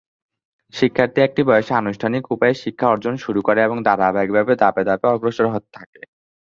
শিক্ষার্থী একটি বয়সে আনুষ্ঠানিক উপায়ে শিক্ষা অর্জন শুরু করে এবং ধারাবাহিকভাবে ধাপে ধাপে অগ্রসর হতে থাকে।